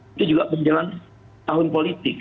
itu juga menjelang tahun politik